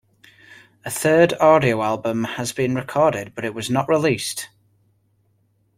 A third studio album had been recorded, but it was not released.